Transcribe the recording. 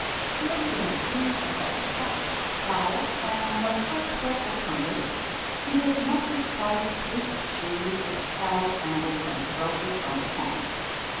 He was even accused of having sucked the cows; and when hard pressed with hunger, he did not despise a piece of cheese or a tallow candle from the grocer's round the corner.